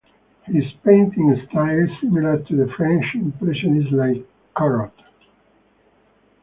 His painting style is similar to the French impressionists like Corot.